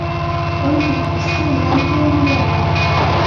وَنُفِخَ فِي الصُّورِ ذَلِكَ يَوْمُ الْوَعِيدِ